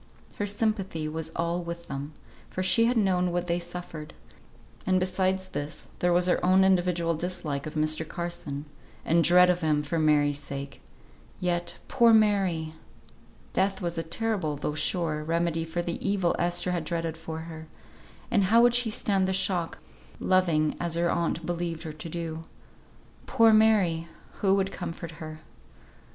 Her sympathy was all with them, for she had known what they suffered; and besides this there was her own individual dislike of Mr. Carson, and dread of him for Mary's sake. Yet, poor Mary! Death was a terrible, though sure, remedy for the evil Esther had dreaded for her; and how would she stand the shock, loving as her aunt believed her to do? Poor Mary! who would comfort her?